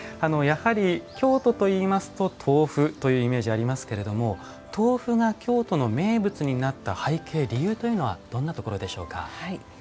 やはり京都といいますと豆腐というイメージありますけれども豆腐が京都の名物になった背景理由というのはどんなところでしょうか？